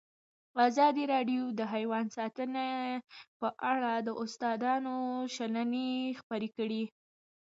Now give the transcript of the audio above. ازادي راډیو د حیوان ساتنه په اړه د استادانو شننې خپرې کړي.